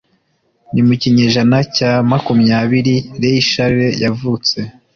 Ni mu kinyejana cya makumyabiri Ray Charles yavutse